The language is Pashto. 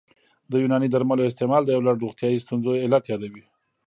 د یوناني درملو استعمال د یو لړ روغتیايي ستونزو علت یادوي